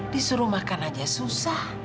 disuruh makan aja susah